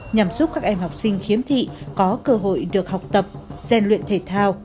nhằm giúp các em học sinh khiếm thị có cơ hội được học tập gian luyện thể thao